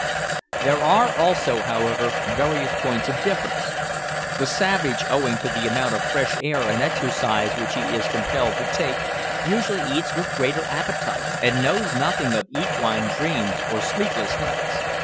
There are also, however, various points of difference. The savage, owing to the amount of fresh air and exercise which he is compelled to take, usually eats with greater appetite, and knows nothing of equine dreams or sleepless nights.